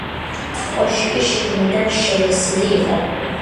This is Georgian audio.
კოშკი შიგნიდან შელესილი იყო.